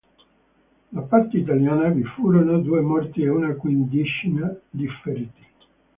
Da parte italiana vi furono due morti e una quindicina di feriti.